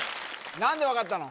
何で分かったの？